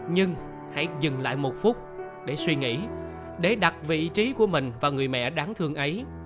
nhưng hãy dừng lại một phút để suy nghĩ để đặt vị trí của mình và người mẹ đáng thương ấy